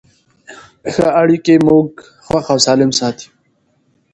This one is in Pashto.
ښه اړیکې موږ خوښ او سالم ساتي.